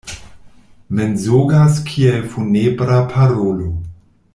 Mensogas kiel funebra parolo.